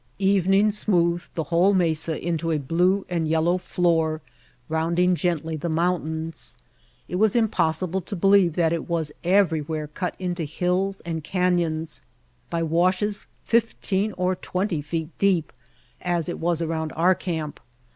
Evening smoothed the whole mesa into a blue and yellow floor rounding gently the mountains. It was impossible to believe that it was every where cut into hills and canyons by washes fif teen or twenty feet deep as it was around our camp.